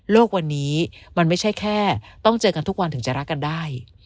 วันนี้มันไม่ใช่แค่ต้องเจอกันทุกวันถึงจะรักกันได้